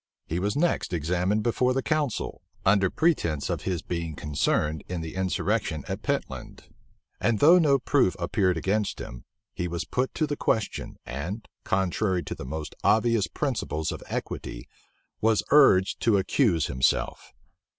He was next examined before the council, under pretence of his being concerned in the insurrection at Pentland; and though no proof appeared against him, he was put to the question, and, contrary to the most obvious principles of equity, was urged to accuse himself.